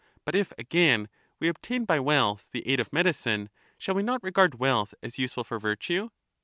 But if, again, we obtain by wealth the aid of medicine, shall we not regard wealth as useful for virtue?